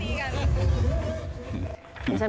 อืม